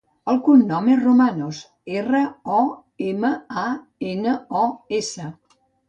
El cognom és Romanos: erra, o, ema, a, ena, o, essa.